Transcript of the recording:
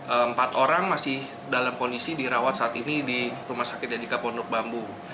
empat orang masih dalam kondisi dirawat saat ini di rumah sakit edika pondok bambu